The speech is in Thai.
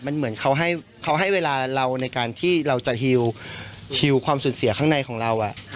มันเหมือนเขาให้เวลาเราในการที่เราจะฮิวความสูญเสียข้างในของเรา